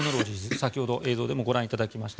先ほど映像でもご覧いただきました。